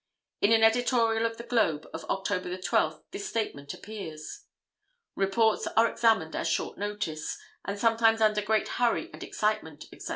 In an editorial of the Globe of October 12th, this statement appears: 'Reports are examined at short notice, and sometimes under great hurry and excitement, etc.